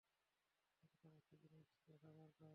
আপনার একটা জিনিস দেখা দরকার।